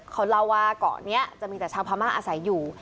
เขาเล่าว่าเกาะนี้จะมีแต่ชาวพม่าอาศัยอยู่